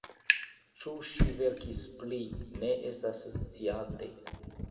Ĉu ŝi verkis pli, ne estas sciate.